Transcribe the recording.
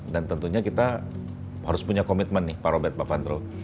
dan tentunya kita harus punya commitment nih pak robert pak pantro